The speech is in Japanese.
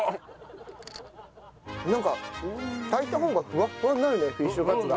なんか炊いた方がふわっふわになるねフィッシュカツが。